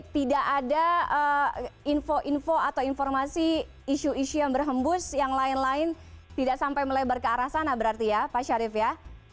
tidak ada info info atau informasi isu isu yang berhembus yang lain lain tidak sampai melebar ke arah sana berarti ya pak syarif ya